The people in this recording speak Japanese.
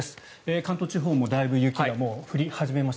関東地方もだいぶ雪が降り始めました。